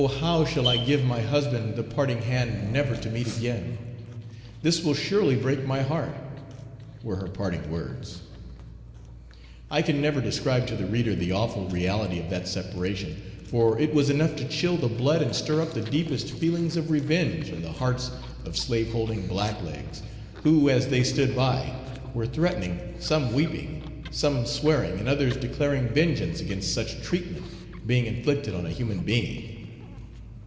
how shall I give my husband the parting hand never to meet again? This will surely break my heart," were her parting words. I can never describe to the reader the awful reality of that separation for it was enough to chill the blood and stir up the deepest feelings of revenge in the hearts of slaveholding black legs, who as they stood by, were threatening, some weeping, some swearing and others declaring vengeance against such treatment being inflicted on a human being.